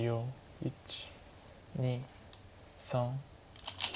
１２３４。